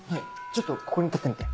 ちょっとここに立ってみて。